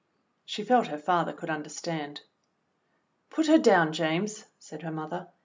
She felt her father could understand. "Put her down, James," said her mother.